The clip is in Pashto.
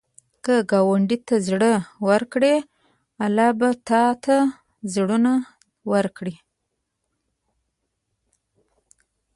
که ګاونډي ته زړه ورکړې، الله به تا ته زړونه ورکړي